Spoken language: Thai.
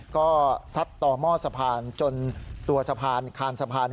ก็ซัดต่อหม้อสะพานจนตัวสะพานคานสะพาน